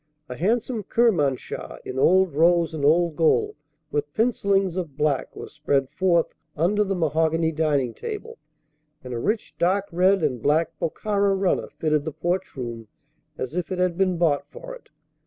A handsome Kermanshah in old rose and old gold with pencillings of black was spread forth under the mahogany dining table, and a rich dark red and black Bokhara runner fitted the porch room as if it had been bought for it.